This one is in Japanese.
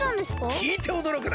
きいておどろくな！